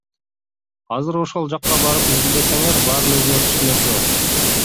Азыр ошол жакка барып изилдесеңер, баарын өзүңөр түшүнөсүңөр.